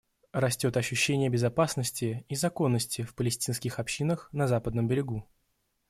Растет ощущение безопасности и законности в палестинских общинах на Западном берегу.